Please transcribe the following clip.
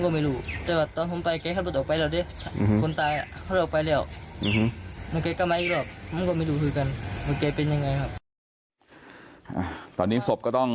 ก็ต้องทำไว้ชนสูตรอย่างละเอียด